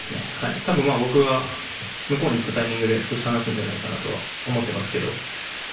多分、僕が向こうに行ったタイミングで少し話せるんじゃないかなと思っていますけど。